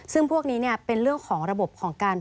ซึ่งพวกนี้เป็นเรื่องของระบบของการ